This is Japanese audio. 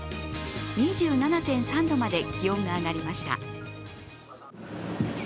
２７．３度まで気温が上がりました。